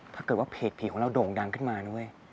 ถ้าเกิดว่าเพจผีของเราโด่งดังขึ้นมานะเว้ย